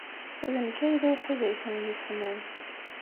D nekk ay d awḥid ay ten-yessnen.